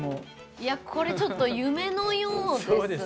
いやこれちょっと夢のようですね。